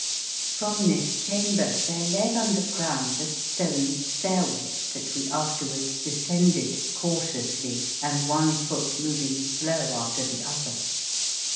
From this chamber there led underground a stone stairway that we afterwards descended, cautiously, and one foot moving slow after the other.